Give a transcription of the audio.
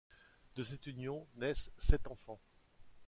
De cette union, naissent sept enfants.